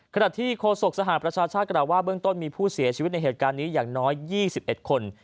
ขณะที่โฆษกสหประชาชาติกล่าวว่าเบื้องต้นมีผู้เสียชีวิตในเหตุการณ์นี้อย่างน้อย๒๑คน